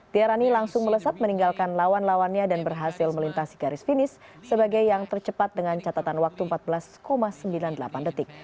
tiarani langsung melesat meninggalkan lawan lawannya dan berhasil melintasi garis finish sebagai yang tercepat dengan catatan waktu empat belas sembilan puluh delapan detik